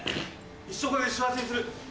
一生懸けて幸せにする。